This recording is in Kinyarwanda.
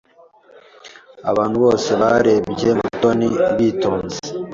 Abantu bose barebye Mutoni bitonze.